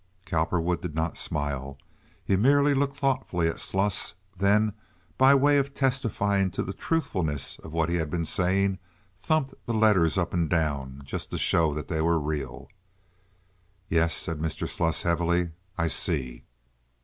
Cowperwood did not smile. He merely looked thoughtfully at Sluss; then, by way of testifying to the truthfulness of what he had been saying, thumped the letters up and down, just to show that they were real. "Yes," said Mr. Sluss, heavily, "I see."